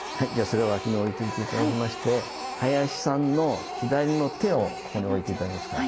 それを脇に置いといて頂きまして林さんの左の手をここに置いて頂けますか？